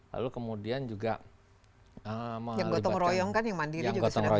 lalu kemudian juga yang gotong royong kan yang mandiri juga sudah